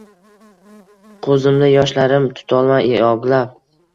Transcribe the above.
Quzimda yoshlarim tutolmay yoglab